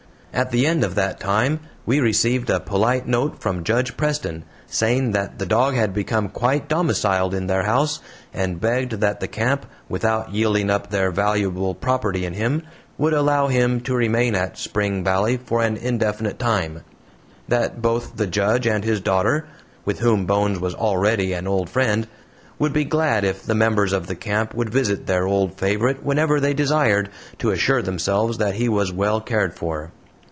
At the end of that time we received a polite note from Judge Preston, saying that the dog had become quite domiciled in their house, and begged that the camp, without yielding up their valuable PROPERTY in him, would allow him to remain at Spring Valley for an indefinite time; that both the judge and his daughter with whom Bones was already an old friend would be glad if the members of the camp would visit their old favorite whenever they desired, to assure themselves that he was well cared for.